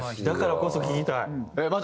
だからこそ聞きたい。